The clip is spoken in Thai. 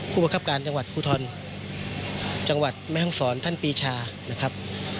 ประคับการจังหวัดภูทรจังหวัดแม่ห้องศรท่านปีชานะครับ